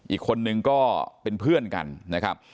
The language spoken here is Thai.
อีกคนนึงก็เป็นเพื่อนกันนะครับ